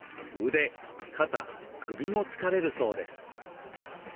腕肩首も疲れるそうです。